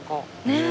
ねえ。